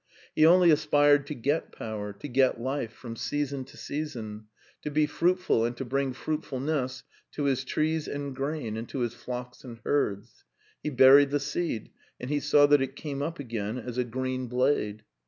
He only aspired to get power, to get life, from season to season, to be fruitful and to bring fruitfulness to his trees and grain and to his flocks and herds. He buried the seed, and he saw that it came up again as a green blade.